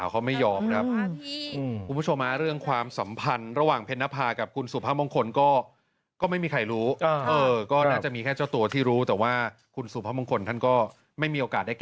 ทำพ่อเราเละขนาดนี้ไม่ยอม